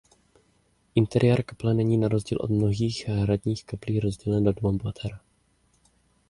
Interiér kaple není na rozdíl od mnohých hradních kaplí rozdělen do dvou pater.